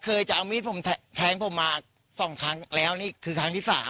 จะเอามีดผมแทงผมมา๒ครั้งแล้วนี่คือครั้งที่๓